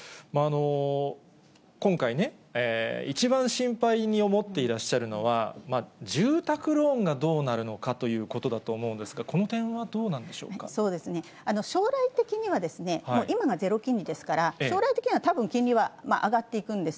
今回ね、一番心配に思っていらっしゃるのは、住宅ローンがどうなるのかということだと思うんですけれども、そうですね、将来的には、今がゼロ金利ですから、将来的にはたぶん、金利は上がっていくんです。